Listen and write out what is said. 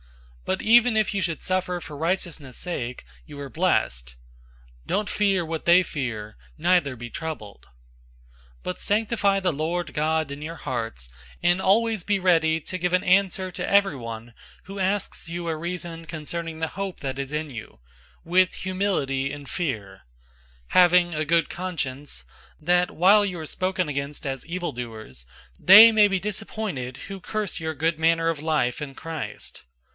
003:014 But even if you should suffer for righteousness' sake, you are blessed. "Don't fear what they fear, neither be troubled."{Isaiah 8:12} 003:015 But sanctify the Lord God in your hearts; and always be ready to give an answer to everyone who asks you a reason concerning the hope that is in you, with humility and fear: 003:016 having a good conscience; that, while you are spoken against as evildoers, they may be disappointed who curse your good manner of life in Christ.